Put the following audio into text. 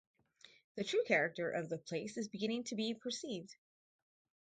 The true character of the place is beginning to be perceived.